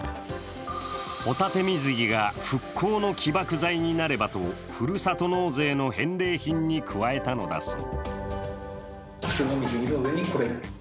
ホタテ水着が復興の起爆剤になればとふるさと納税の返礼品に加えたのだそう。